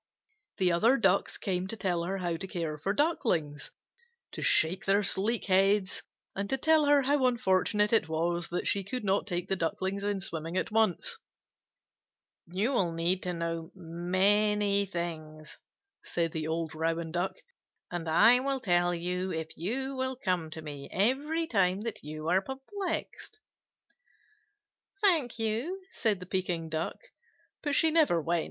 The other Ducks came to tell her how to care for the Ducklings, to shake their sleek heads, and to tell her how unfortunate it was that she could not take the Ducklings in swimming at once. "You will need to know many things," said the old Rouen Duck, "and I will tell you if you will come to me every time that you are perplexed." "Thank you," said the Pekin Duck. But she never went.